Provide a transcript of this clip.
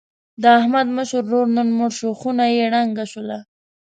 د احمد مشر ورور نن مړ شو. خونه یې ړنګه شوله.